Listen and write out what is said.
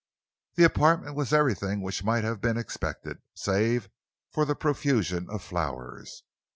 The apartment was everything which might have been expected, save for the profusion of flowers.